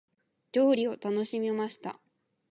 料理を楽しみました。